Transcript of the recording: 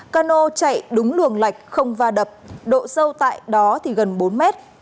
cano chạy đúng luồng lạch không va đập độ sâu tại đó thì gần bốn mét